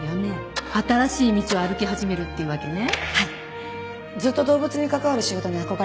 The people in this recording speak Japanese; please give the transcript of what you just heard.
ずっと動物に関わる仕事に憧れてました。